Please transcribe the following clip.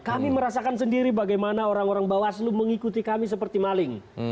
kami merasakan sendiri bagaimana orang orang bawaslu mengikuti kami seperti maling